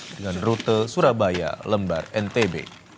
dengan rute surabaya lembar ntb